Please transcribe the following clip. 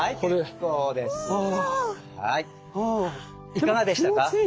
いかがでしたか。